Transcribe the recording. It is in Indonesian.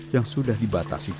yang sudah dibatasi pagi